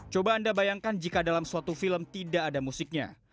coba anda bayangkan jika dalam suatu film tidak ada musiknya